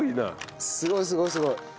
すごいすごいすごい。